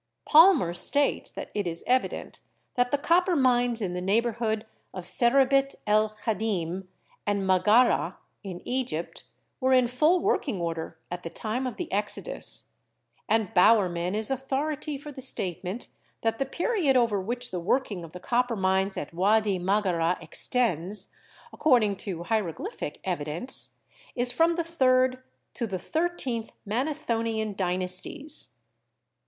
Palmer states that it is evident that the copper mines in the neighborhood of Serabit el Khadim and Magharah, in Egypt, were in full working order at the time of the Exodus ; and Bauerman is authority for the statement that 18 CHEMISTRY the period over which the working of the copper mines at Wady Magharah extends, according to hieroglyphic evi dence, is from the third to the thirteenth Manethonian dynasties.